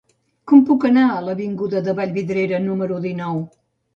Com puc anar a l'avinguda de Vallvidrera número dinou?